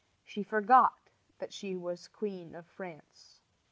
She forgot that she was Queen of France.